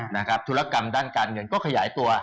ธุรกรรมด้านการเงินก็ขยายตัว